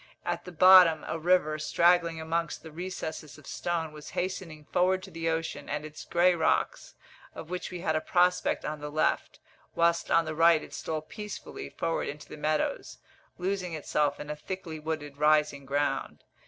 At the bottom, a river, straggling amongst the recesses of stone, was hastening forward to the ocean and its grey rocks, of which we had a prospect on the left; whilst on the right it stole peacefully forward into the meadows, losing itself in a thickly wooded rising ground.